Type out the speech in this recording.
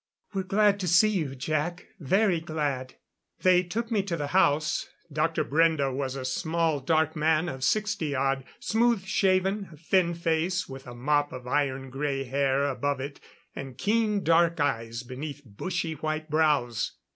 "We're glad to see you, Jac. Very glad." They took me to the house. Dr. Brende was a small, dark man of sixty odd, smooth shaven, a thin face, with a mop of iron grey hair above it, and keen dark eyes beneath bushy white brows.